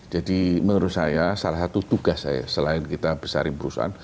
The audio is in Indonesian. jadi menurut saya salah satu tugas saya selain kita besarin perusahaan